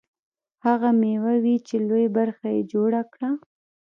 دا هغه مېوې وې چې لویه برخه یې جوړه کړه.